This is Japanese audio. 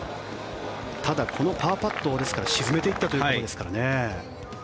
ただ、このパーパットを沈めていったということですから。